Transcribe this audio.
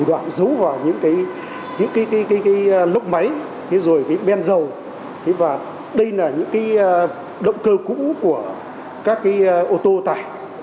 thủ đoạn giấu vào những cái lốc máy cái ben dầu đây là những cái động cơ cũ của các cái ô tô tải